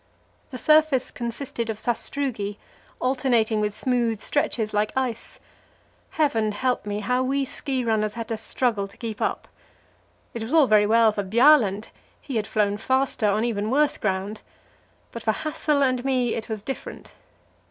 The surface consisted of sastrugi, alternating with smooth stretches like ice. Heaven help me, how we ski runners had to struggle to keep up! It was all very well for Bjaaland; he had flown faster on even worse ground. But for Hassel and me it was different.